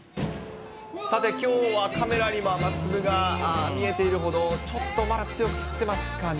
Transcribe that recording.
さて、きょうはカメラに雨粒が見えているほど、ちょっとまだ強く降っていますかね。